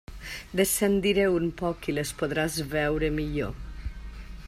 Descendiré un poc i les podràs veure millor.